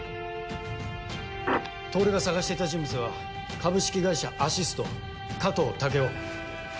透が捜していた人物は株式会社アシスト加藤武夫。